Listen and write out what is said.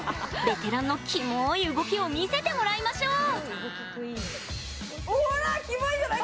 ベテランのキモい動きを見せてもらいましょう。